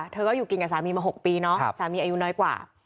เธอก็อยู่กินกับสามีมา๖ปีเนาะสามีอายุน้อยกว่า